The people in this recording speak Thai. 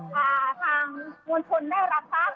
ทางมูลคุณได้รับปรากฏ